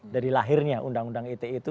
dari lahirnya undang undang ite itu